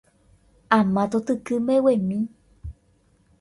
ama totyky mbeguemi